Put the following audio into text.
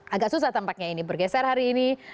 agak susah tampaknya ini bergeser hari ini